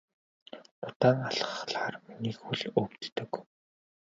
Удаан алхахлаар миний хөл өвддөг.